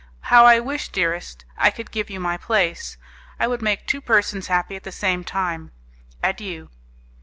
How I wish, dearest, I could give you my place! I would make two persons happy at the same time! Adieu!"